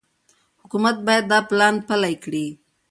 حکومت باید دا پلان پلي کړي.